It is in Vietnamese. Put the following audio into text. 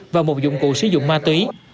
và một dụng cụ sử dụng ma túy